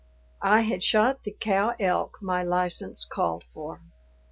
I had shot the cow elk my license called for.